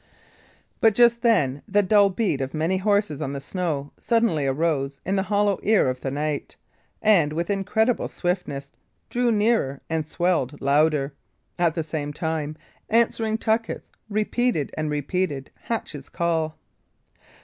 But just then the dull beat of many horses on the snow suddenly arose in the hollow ear of the night, and, with incredible swiftness, drew nearer and swelled louder. At the same time, answering tuckets repeated and repeated Hatch's call.